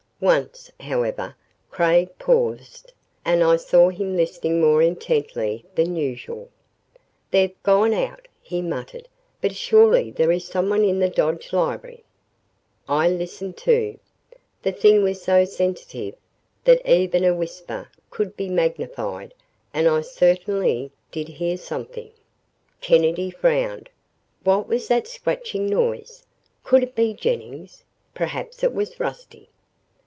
Once, however, Craig paused and I saw him listening more intently than usual. "They've gone out," he muttered, "but surely there is someone in the Dodge library." I listened; too. The thing was so sensitive that even a whisper could be magnified and I certainly did hear something. Kennedy frowned. What was that scratching noise? Could it be Jennings? Perhaps it was Rusty.